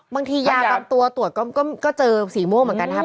ยาบางตัวตรวจก็เจอสีม่วงเหมือนกันครับ